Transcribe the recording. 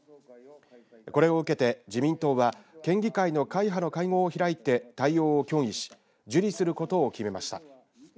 これを受けて自民党は県議会の会派の会合を開いて対応を協議し受理することを決めました。